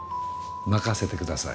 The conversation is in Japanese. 任せてください。